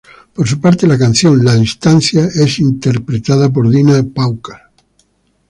Por su parte, la canción "La distancia", es interpretada con Dina Páucar.